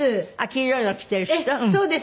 黄色いの着てる人？